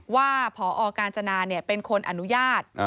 ว่าผอกาญชนาเนี่ยเป็นคนอนุญาต